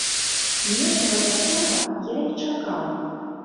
Нечага такога я і чакаў.